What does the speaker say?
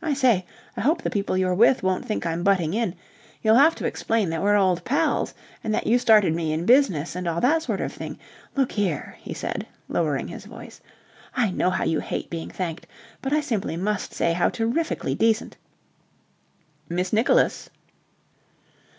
I say, I hope the people you're with won't think I'm butting in. You'll have to explain that we're old pals and that you started me in business and all that sort of thing. Look here," he said lowering his voice, "I know how you hate being thanked, but I simply must say how terrifically decent..." "Miss Nicholas."